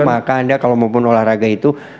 maka anda kalau mau berbicara tentang olahraga itu